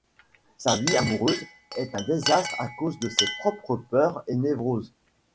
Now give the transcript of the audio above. Sa vie amoureuse est un désastre à cause de ses propres peurs et névroses.